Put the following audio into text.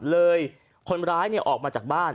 คนร้ายออกมาจากบ้าน